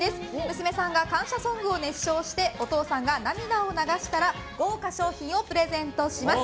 娘さんが感謝ソングを熱唱してお父さんが涙を流したら豪華賞品をプレゼントします。